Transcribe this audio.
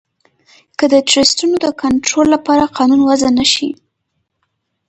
که د ټرسټونو د کنترول لپاره قانون وضعه نه شي.